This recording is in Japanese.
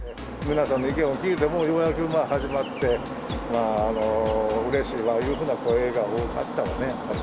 皆さんの意見を聞いてもう、ようやく始まって、うれしいわいうふうな声が多かったわね。